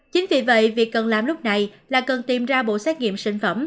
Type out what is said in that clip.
chính vì vậy việc cần làm lúc này là cần tìm ra bộ xét nghiệm sinh phẩm